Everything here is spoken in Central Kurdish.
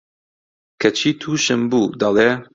کەچی تووشم بوو، دەڵێ: